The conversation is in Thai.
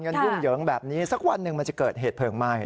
ยุ่งเหยิงแบบนี้สักวันหนึ่งมันจะเกิดเหตุเพลิงไหม้